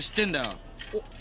おっ。